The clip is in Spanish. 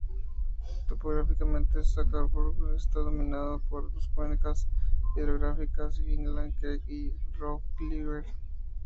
Topográficamente, Scarborough está dominado por dos cuencas hidrográficas, Highland Creek y el Rouge River.